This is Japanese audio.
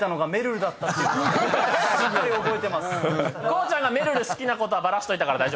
こうちゃんがめるる好きなことバラしといたから。